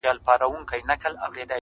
• په کالیو کي یې پټ ول اندامونه -